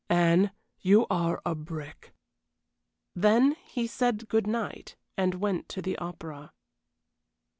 Anne, you are a brick." Then he said good night, and went to the opera.